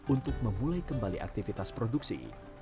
untuk memulai kembali aktivitas produksi